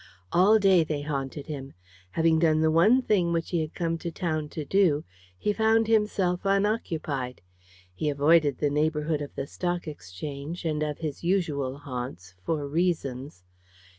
All day they haunted him. Having done the one thing which he had come to town to do, he found himself unoccupied. He avoided the neighbourhood of the Stock Exchange, and of his usual haunts, for reasons.